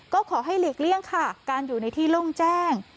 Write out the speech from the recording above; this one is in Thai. ก็ขอให้หลีกเลี่ยงค่ะการอยู่ในที่โล่งแจ้ง